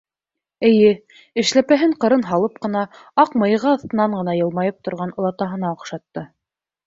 Эйе, эшләпәһен ҡырын һалып ҡына, аҡ мыйығы аҫтынан ғына йылмайып торған олатаһына оҡшатты.